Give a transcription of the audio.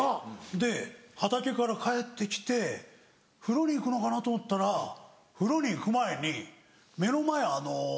で畑から帰って来て風呂に行くのかなと思ったら風呂に行く前に目の前あの。